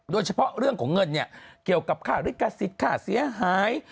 โดยเฉพาะเรื่องของเงินเนี่ยเกี่ยวกับค่าลิขสิทธิ์ค่าเสียหาย